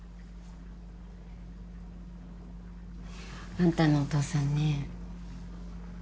あんたのお父さんね。